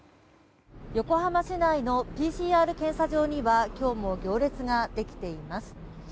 横浜市内のＰＣＲ検査場には今日も行列ができています。